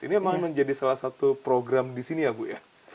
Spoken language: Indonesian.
ini memang menjadi salah satu program di sini ya bu ya